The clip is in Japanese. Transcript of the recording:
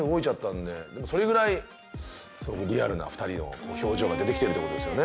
でもそれぐらいすごくリアルな２人の表情が出てきてるって事ですよね。